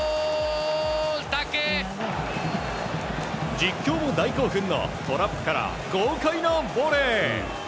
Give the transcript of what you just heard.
実況も大興奮のトラップから豪快なボレー！